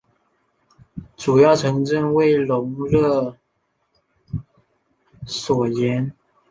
主要城镇为隆勒索涅。